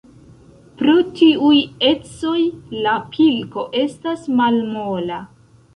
Pro tiuj ecoj la pilko estas malmola.